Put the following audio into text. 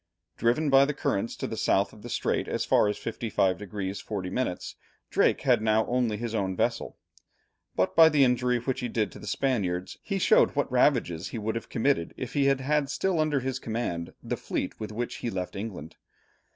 Driven by the currents to the south of the strait as far as 55 degrees 40 minutes, Drake had now only his own vessel; but by the injury which he did to the Spaniards, he showed what ravages he would have committed if he had had still under his command the fleet with which he left England.